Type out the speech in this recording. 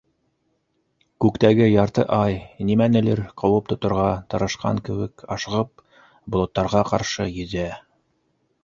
Күктәге ярты ай, нимәнелер ҡыуып тоторға тырышҡан кеүек ашығып, болоттарға ҡаршы йөҙә.